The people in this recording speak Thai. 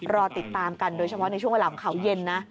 รอติดตามกันโดยเฉพาะในช่วงเวลาของเขาเย็นนะ